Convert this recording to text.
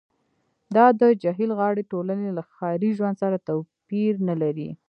دا د جهیل غاړې ټولنې له ښاري ژوند سره توپیر نلري